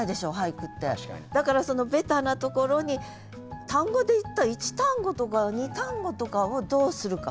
だからそのベタなところに単語でいったら１単語とか２単語とかをどうするか。